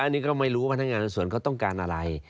อันนี้ก็ไม่รู้ว่าพนักงานส่วนเขาต้องการอะไร